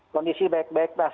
kondisi baik baik mas